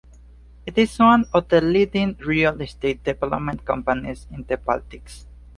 It is one of the leading real estate development companies in the Baltics.